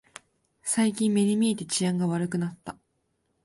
最近目に見えて治安が悪くなった